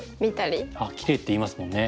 あっきれいっていいますもんね。